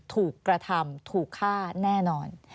ถูกกระทำถูกฆ่าแน่นอน